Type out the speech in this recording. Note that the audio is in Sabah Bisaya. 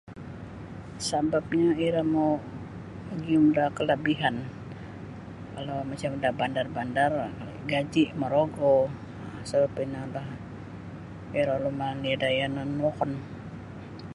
Sababnyo iro mau magium da kalabihan kalau macam da bandar-bandar gaji morogo pasal ino la iro lumali da yanan wokon.